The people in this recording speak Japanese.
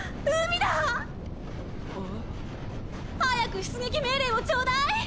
早く出撃命令をちょうだい！